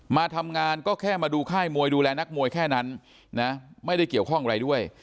มาทำงานก็แค่มาดูค่ายมวยดูแลนักมวยแค่นั้นนะไม่ได้เกี่ยวข้องอะไรด้วย